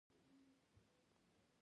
انسان باید له ستونزو ونه ویریږي.